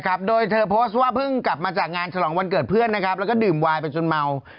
ครับโดยเธอโพสต์ว่าเพิ่งกลับมาจากงานฉลองวันเกิดเพื่อนนะครับแล้วก็ดื่มวายไปจนเมา